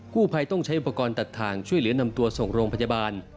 ผู้ภัยต้องใช้อุปกรณ์ตัดทางช่วยเหลือนำตัวส่งโรงพยาบาล